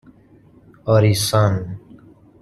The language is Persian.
آریسان